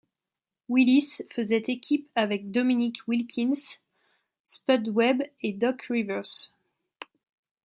Willis faisait équipe avec Dominique Wilkins, Spud Webb et Doc Rivers.